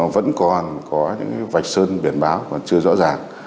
vẫn còn có những vạch sơn biển báo còn chưa rõ ràng